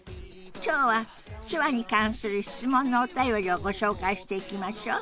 今日は手話に関する質問のお便りをご紹介していきましょ。